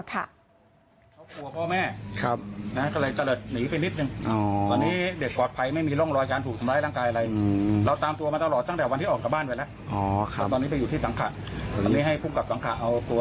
ตอนนี้ปุ๊กกับสังขะเอาตัวมาไว้ที่โรงพักษณ์แล้ว